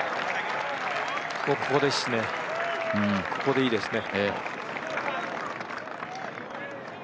ここですね、ここでいいですね。